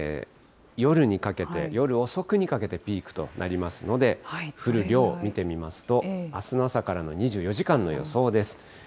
夜にかけて、夜遅くにかけてピークとなりますので、降る量、見てみますと、あすの朝からの２４時間の予想です。